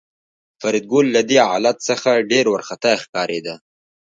فریدګل له دې حالت څخه ډېر وارخطا ښکارېده